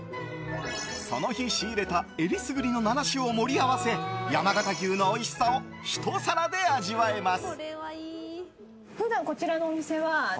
その日仕入れた選りすぐりの７種を盛り合わせ山形牛のおいしさをひと皿で味わえます。